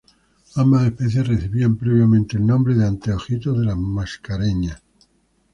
Ambas especies recibían previamente el nombre de Anteojitos de las Mascareñas.